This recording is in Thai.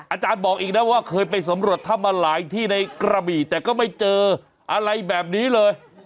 อาจารย์บอกอีกนะว่าเคยไปสำรวจถ้ำมาหลายที่ในกระบี่แต่ก็ไม่เจออะไรแบบนี้เลย